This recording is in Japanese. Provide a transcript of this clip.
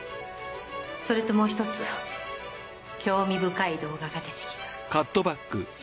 それともうひとつ興味深い動画が出てきた。